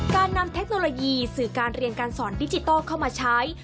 การนำเทคโนโลยีสื่อการเรียนการสอนดิจิทัลเข้ามาใช้